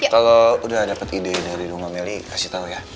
kalau udah dapet ide ide di rumah meli kasih tau ya